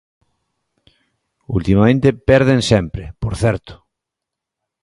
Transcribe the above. Ultimamente perden sempre, por certo.